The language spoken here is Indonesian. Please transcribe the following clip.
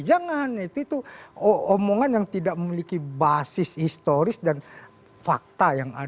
jangan itu omongan yang tidak memiliki basis historis dan fakta yang ada